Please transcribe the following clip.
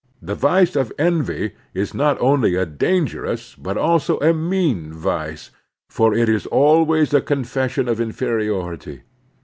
The vice of envy is not only a dangerous but also a mean vice, for it is always a confession of inferiority.